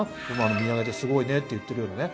見上げて「すごいね」って言ってるようなね